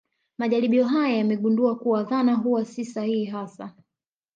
Majaribio haya yamegundua kuwa dhana huwa si sahihi hasa